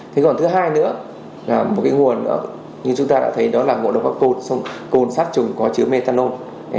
thế còn thứ hai nữa là một cái nguồn nữa như chúng ta đã thấy đó là ngộ độc có cồn sát trùng có chứa methanol